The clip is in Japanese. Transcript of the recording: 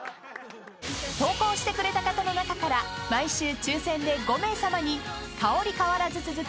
［投稿してくれた方の中から毎週抽選で５名さまに香り変わらず続く